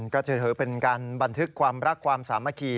ก็จะถือเป็นการบันทึกความรักความสามัคคี